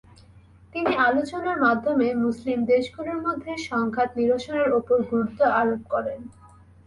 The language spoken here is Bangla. তিনি আলোচনার মাধ্যমে মুসলিম দেশগুলোর মধ্যে সংঘাত নিরসনের ওপর গুরুত্ব আরোপ করেন।